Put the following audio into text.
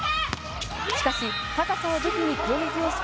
しかし、高さを武器に攻撃を仕掛